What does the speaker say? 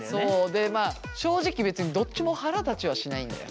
でまあ正直別にどっちも腹立ちはしないんだよ。